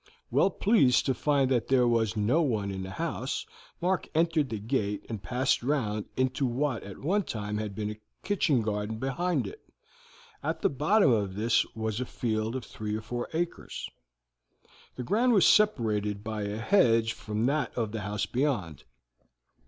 Well pleased to find that there was no one in the house, Mark entered the gate and passed round into what at one time had been a kitchen garden behind it; at the bottom of this was a field of three or four acres. The ground was separated by a hedge from that of the house beyond.